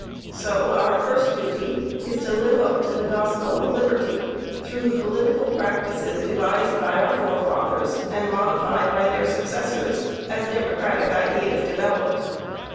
Now our first duty is to live up to the gospel of liberty, through the political practices devised by our forefathers and modified by their successors, as democratic ideas developed.